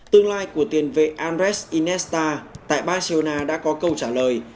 tương lai của tiền vệ andres inesta tại barcelona đã có câu trả lời